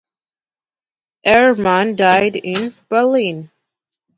Erman died in Berlin.